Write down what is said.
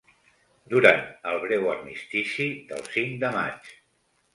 Durant el breu armistici del cinc de maig